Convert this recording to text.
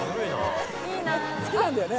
「好きなんだよね」